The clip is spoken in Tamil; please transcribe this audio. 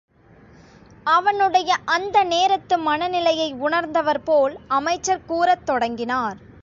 அவனுடைய அந்த நேரத்து மனநிலையை உணர்ந்தவர்போல் அமைச்சர் கூறத் தொடங்கினார்.